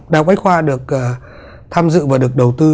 đại học bách khoa được tham dự và được đầu tư